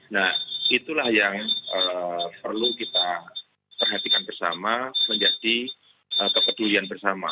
nah itulah yang perlu kita perhatikan bersama menjadi kepedulian bersama